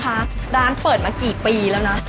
โทษนะคะด้านเปิดมากี่ปีแล้วนะ